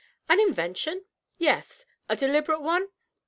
" An invention ? Yes. A deliberate one